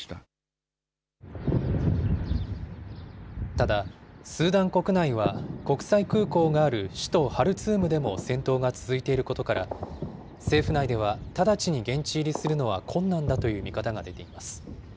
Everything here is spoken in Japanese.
ただ、スーダン国内は、国際空港がある首都ハルツームでも戦闘が続いていることから、政府内では直ちに現地入りするのは困難だという見方が出ています。